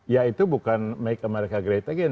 ya itu bukan make america great again